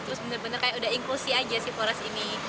terus benar benar kayak udah inklusi aja sih foras ini